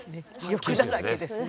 欲だらけですね」